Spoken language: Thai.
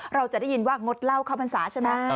เราจะได้ยินว่างดเหล้าเข้าพรรษาใช่ไหม